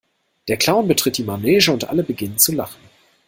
Der Clown betritt die Manege und alle beginnen zu Lachen.